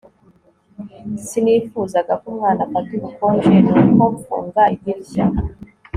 Sinifuzaga ko umwana afata ubukonje nuko mfunga idirishya